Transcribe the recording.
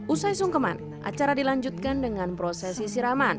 usai sungkeman acara dilanjutkan dengan proses